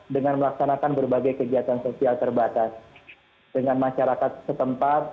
dengan melaksanakan berbagai kegiatan sosial terbatas dengan masyarakat setempat